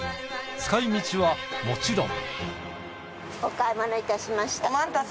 使い道はもちろん。